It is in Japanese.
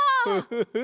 フフフ。